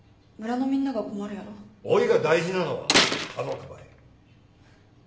おぃが大事なのは家族ばい。